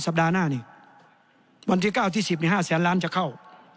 สัปดาห์หน้านี้วันที่๙วันที่๑๐นี่๕แสนล้านจะเข้า